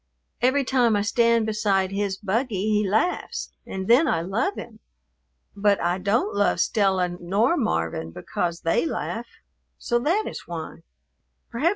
Every time I stand beside his buggy he laughs and then I love him, but I don't love Stella nor Marvin because they laugh. So that is why."